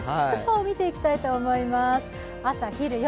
服装を見ていきたいと思います。